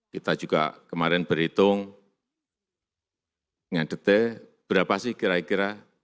kita juga kemarin berhitung dengan detail berapa sih kira kira